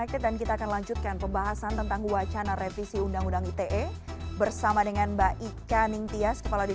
tidak hanya berupa pedoman saja